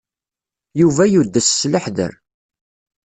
Yuba yudes s leḥder.